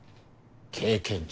経験値